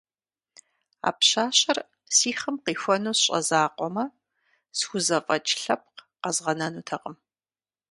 А пщащэр си хъым къихуэну сщӀэ закъуэмэ, схузэфӀэкӀ лъэпкъ къэзгъэнэнутэкъым.